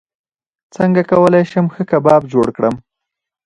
څنګه کولی شم ښه کباب جوړ کړم